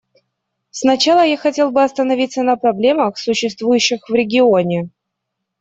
Сначала я хотел бы остановиться на проблемах, существующих в регионе.